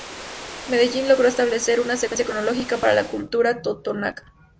Medellín logró establecer una secuencia cronológica para la Cultura totonaca.